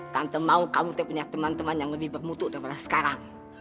tante mau kamu punya teman teman yang lebih bermutu daripada sekarang